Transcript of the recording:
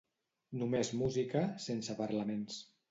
Només música, sense parlaments.